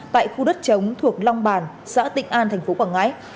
tại khu đất chống thuộc long bàn xã tịnh an thành phố quảng ngãi